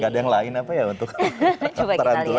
gak ada yang lain apa ya untuk tarantula